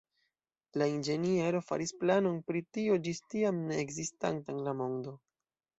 La inĝenieroj faris planon pri tio ĝis tiam ne ekzistanta en la mondo.